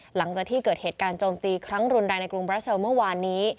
หลังจากที่เกิดเหตุการณ์โจมตีครั้งรุนแรงในกรุงบราเซลเมื่อวานนี้